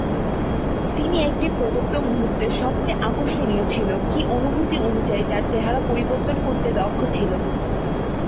তিনি একটি প্রদত্ত মুহূর্তে সবচেয়ে আকর্ষণীয় ছিল কি অনুভূতি অনুযায়ী তার চেহারা পরিবর্তন করতে দক্ষ ছিল।